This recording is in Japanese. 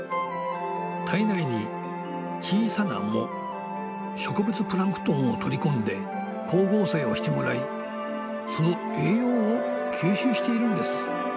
体内に小さな藻植物プランクトンを取り込んで光合成をしてもらいその栄養を吸収しているんです。